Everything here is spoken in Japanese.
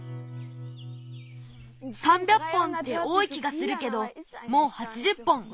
３００本っておおい気がするけどもう８０本うえたよ。